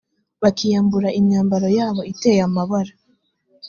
bakiyambura imyambaro yabo iteye amabara